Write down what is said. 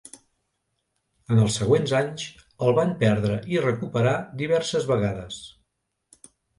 En els següents anys, el van perdre i recuperar diverses vegades.